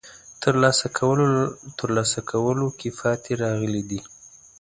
ترلاسه کولو کې پاتې راغلي دي.